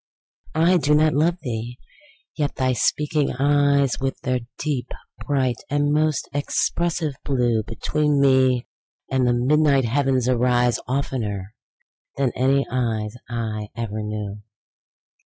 I do not love thee!—yet thy speaking eyes, With their deep, bright, and most expressive blue, Between me and the midnight heaven arise, 15 Oftener than any eyes I ever knew.